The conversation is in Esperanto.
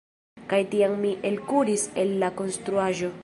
Kaj tiam mi elkuris el la konstruaĵo.